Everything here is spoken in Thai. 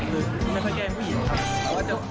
คือไม่ใช่แก้ผู้หญิงครับ